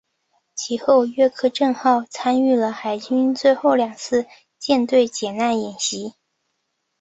及后约克镇号参与了海军最后两次的舰队解难演习。